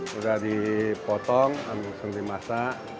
sudah dipotong langsung dimasak